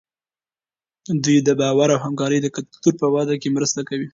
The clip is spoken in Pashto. دوی د باور او همکارۍ د کلتور په وده کې مرسته کوي.